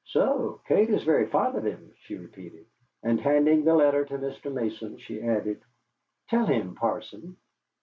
So Kate is very fond of him," she repeated. And handing the letter to Mr. Mason, she added, "Tell him, Parson."